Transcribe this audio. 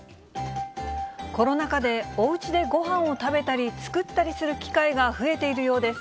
コロナ禍で、おうちでごはんを食べたり、作ったりする機会が増えているよ